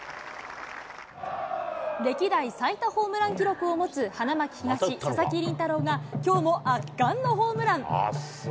歴代最多ホームラン記録を持つ、花巻東、佐々木麟太郎がきょうも圧巻のホームラン。